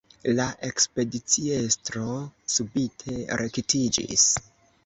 La ekspediciestro subite rektiĝis.